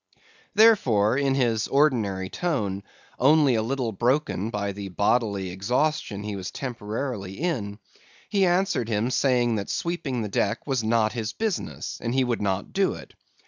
"Therefore, in his ordinary tone, only a little broken by the bodily exhaustion he was temporarily in, he answered him saying that sweeping the deck was not his business, and he would not do it.